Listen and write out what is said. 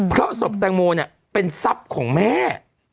เพราะศพแตงโมเนี่ยเป็นทรัพย์ของแม่